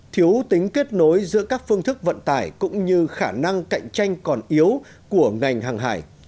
thiếu tính kết nối giữa các phương thức vận tải cũng như khả năng cạnh tranh còn yếu của ngành hàng hải